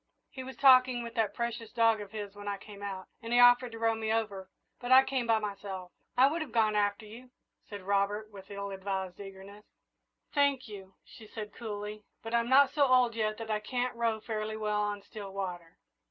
He was talking with that precious dog of his when I came out, and he offered to row me over, but I came by myself." "I would have gone after you," said Robert, with ill advised eagerness. "Thank you," she answered coolly; "but I'm not so old yet that I can't row fairly well on still water."